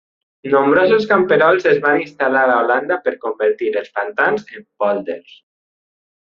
Nombrosos camperols es van instal·lar a Holanda per convertir els pantans en pòlders.